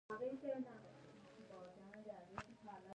غنم د افغانستان په ټولو ولایتونو کې کرل کیږي.